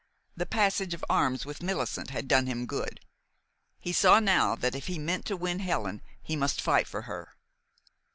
The passage of arms with Millicent had done him good. He saw now that if he meant to win Helen he must fight for her.